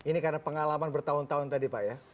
ini karena pengalaman bertahun tahun tadi pak ya